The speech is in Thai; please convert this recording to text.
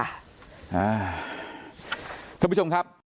อ่าคุณผู้ชมครับ